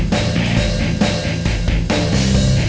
gue gak mau ada musuh